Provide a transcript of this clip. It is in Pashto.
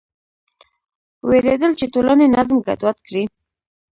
وېرېدل چې ټولنې نظم ګډوډ کړي.